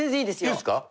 いいですか？